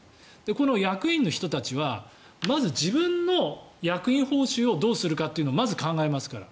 この役員の人たちはまず自分の役員報酬をどうするかっていうのをまず考えますから。